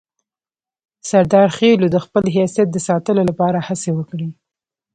سردارخېلو د خپل حیثیت د ساتلو لپاره هڅې وکړې.